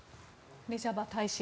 レジャバ大使